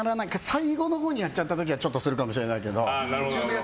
最後のほうにやっちゃった時はするかもしれないけど。